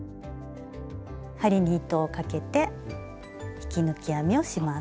針に糸をかけて引き抜き編みをします。